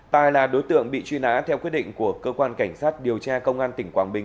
tài là đối tượng bị truy nã theo quyết định của cơ quan cảnh sát điều tra công an tỉnh quảng bình